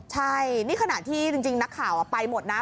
ใช่นี่ขณะที่จริงนักข่าวไปหมดนะ